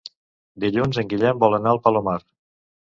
Dilluns en Guillem vol anar al Palomar.